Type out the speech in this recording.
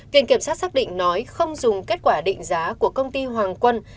điều kiểm soát xác định nói không dùng kết quả định giá của công ty hoàng quân